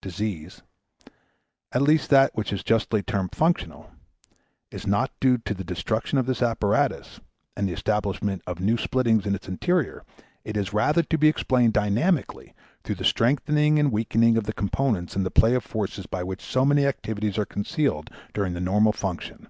Disease at least that which is justly termed functional is not due to the destruction of this apparatus, and the establishment of new splittings in its interior; it is rather to be explained dynamically through the strengthening and weakening of the components in the play of forces by which so many activities are concealed during the normal function.